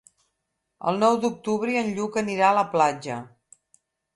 El nou d'octubre en Lluc anirà a la platja.